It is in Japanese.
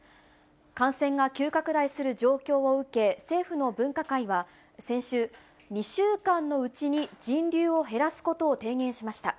感染が急拡大する状況を受け、政府の分科会は、先週、２週間のうちに人流を減らすことを提言しました。